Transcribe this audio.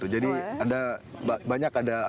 jadi banyak ada